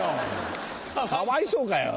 かわいそうかよ！